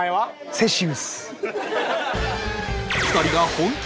セシウス。